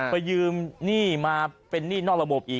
ไปยืมหนี้มาเป็นหนี้นอกระบบอีก